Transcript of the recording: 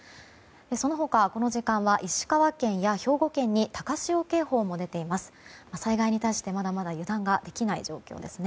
その他、この時間は石川県や兵庫県に高潮警報も出ています。